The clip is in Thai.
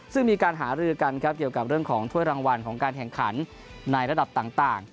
ซึ่งมีการหารือกันครับเกี่ยวกับเรื่องของถ้วยรางวัลของการแข่งขันในระดับต่าง